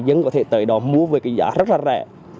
dân có thể tới đó mua với cái giá rất là rẻ